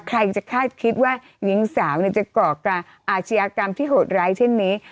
ใครจะคาดคิดว่าหญิงสาวจะก่อการอาชญากรรมที่โหดร้ายเช่นนี้